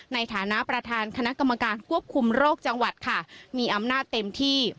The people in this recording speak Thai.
ในฐานะประธานคณะกรรมการควบคุมโรคจังหวัดค่ะมีอำนาจเต็มที่